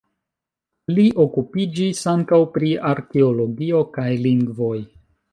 Li okupiĝis ankaŭ pri arkeologio kaj lingvoj.